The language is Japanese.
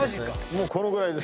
もうこのぐらいです。